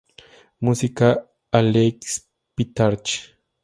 Música Aleix Pitarch.